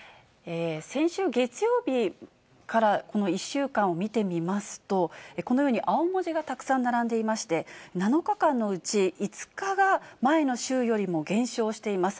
先週月曜日から、この１週間を見てみますと、このように青文字がたくさん並んでいまして、７日間のうち、５日が前の週よりも減少しています。